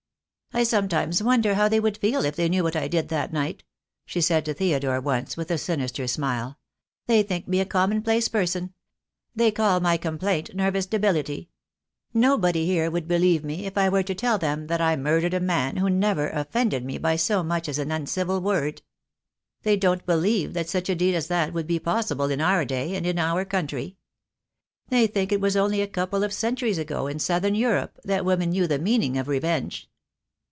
"I sometimes wonder how they would feel if they knew what I did that night," she said to Theodore once, with a sinister smile. "They think me a common place person. They call my complaint nervous debility. No body here would believe me if I were to tell them that I murdered a man who never offended me by so much as an uncivil word. They don't believe that such a deed as that would be possible in our day, and in our country. They think it was only a couple of centuries ago in Southern Europe that women knew the meaning of re venge."